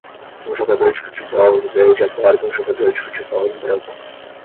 Um jogador de futebol em verde aborda um jogador de futebol em branco